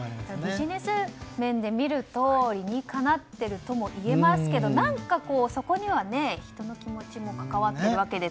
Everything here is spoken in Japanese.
ビジネス面でみると理にかなっているとも言えますが何かそこには人の気持ちも関わっているわけで。